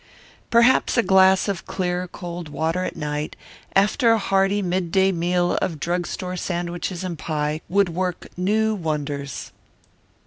Perhaps a glass of clear cold water at night, after a hearty midday meal of drug store sandwiches and pie, would work new wonders.